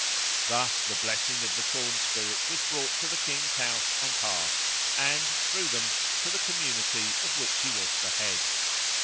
Thus the blessing of the corn spirit was brought to the king's house and hearth and, through them, to the community of which he was the head.